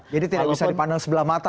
jadi tidak bisa dipandang sebelah mata